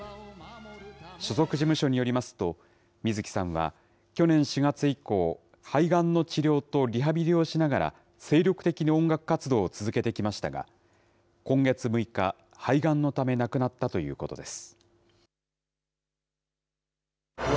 所属事務所によりますと、水木さんは、去年４月以降、肺がんの治療とリハビリをしながら精力的に音楽活動を続けてきましたが、今月６日、肺がんのため亡くなったということです。